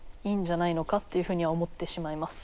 いうふうに思ってしまいます。